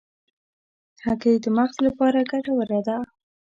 هګۍ د مغز لپاره ګټوره ده.